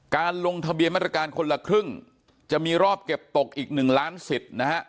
ลงทะเบียนมาตรการคนละครึ่งจะมีรอบเก็บตกอีก๑ล้านสิทธิ์นะฮะ